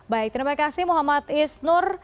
baik terima kasih muhammad isnur